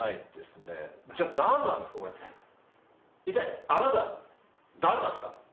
一体あなた誰なんですか？